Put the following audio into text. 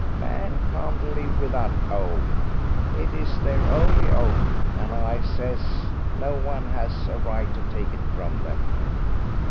Man can't live without hope. It is their only hope, and I says no one has a right to take it from them."